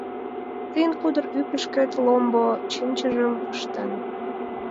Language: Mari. Тыйын кудыр ӱпышкет Ломбо чинчыжым пыштен.